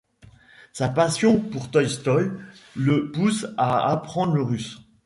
Sa passion pour Tolstoï le pousse à apprendre le russe.